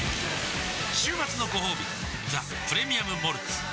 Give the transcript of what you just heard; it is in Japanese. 週末のごほうび「ザ・プレミアム・モルツ」わぁ！